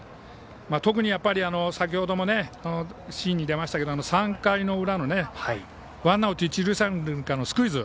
特に先ほども映像に出ましたが３回の裏のワンアウト一塁三塁からのスクイズ。